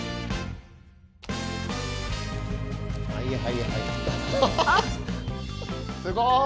はいはいはい。